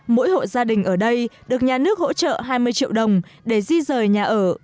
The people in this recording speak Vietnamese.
mỗi hộ gia đình ở đây được nhà nước hỗ trợ hai mươi triệu đồng để di rời nhà ở